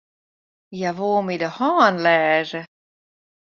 Hja woe my de hân lêze.